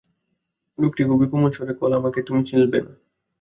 লোকটি খুবই কোমল স্বরে কল, আমাকে তুমি চিলবে না।